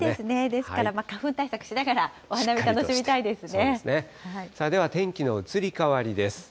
ですから花粉対策しながら、お花見、楽しみたいですね。